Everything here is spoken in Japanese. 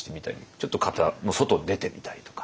ちょっと型の外出てみたりとか。